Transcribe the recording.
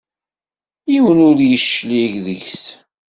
Yiwen ur d-yeclig seg-s.